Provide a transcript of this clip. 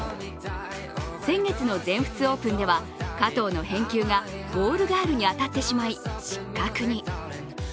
先月の全仏オープンでは加藤の返球がボールガールに当たってしまい失格に。